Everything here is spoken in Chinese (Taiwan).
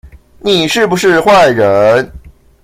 你是不是壞人